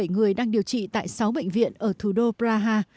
hai mươi bảy người đang điều trị tại sáu bệnh viện ở thủ đô praha